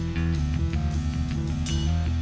hati hati di jalan